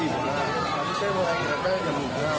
kereta sebenarnya tidak ada dekat apa apa